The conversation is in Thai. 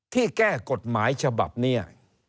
ที่แก้กฎหมายฉบับนี้